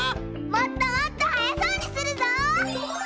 もっともっとはやそうにするぞ！